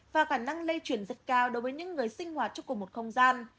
và khả năng lây chuyển rất cao đối với những người sinh hoạt trong cùng một không gian